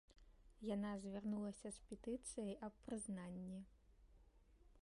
Яна звярнулася з петыцыяй аб прызнанні.